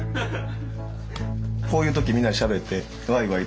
こういう時みんなでしゃべってわいわいと。